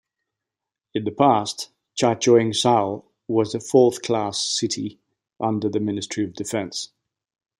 In the past, Chachoengsao was a fourth-class city under the ministry of defence.